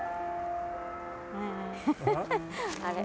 あれ。